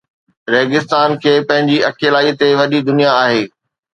ريگستان کي پنهنجي اڪيلائيءَ تي وڏي دنيا آهي